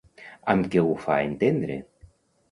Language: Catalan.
Amb què ho fa entendre?